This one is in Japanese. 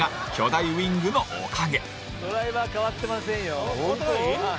ドライバー代わってませんよ。